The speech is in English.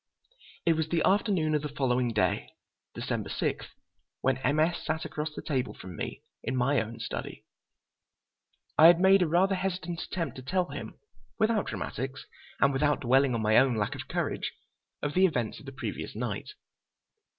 It was the afternoon of the following day, December 6, when M. S. sat across the table from me in my own study. I had made a rather hesitant attempt to tell him, without dramatics and without dwelling on my own lack of courage, of the events of the previous night.